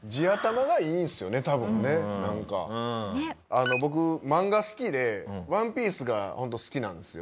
あの僕漫画好きで『ＯＮＥＰＩＥＣＥ』がホント好きなんですよ。